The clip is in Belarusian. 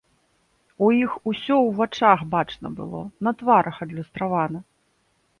У іх усё у вачах бачна было, на тварах адлюстравана!